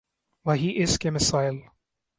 وہی اس کے مسائل۔